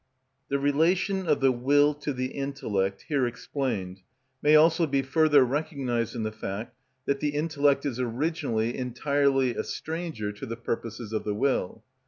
The relation of the will to the intellect here explained may also be further recognised in the fact that the intellect is originally entirely a stranger to the purposes of the will.